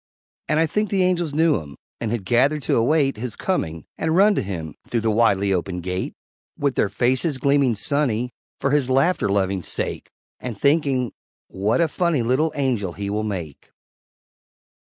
And I think the Angels knew him, And had gathered to await His coming, and run to him Through the widely opened Gate With their faces gleaming sunny For his laughter loving sake, And thinking, "What a funny Little Angel he will make!"